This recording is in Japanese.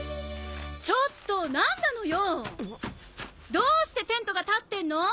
どうしてテントが建ってんの？